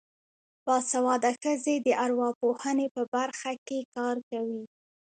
باسواده ښځې د ارواپوهنې په برخه کې کار کوي.